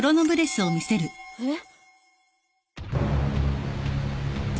えっ。